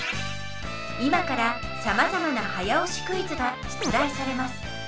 今からさまざまな早押しクイズがしゅつだいされます。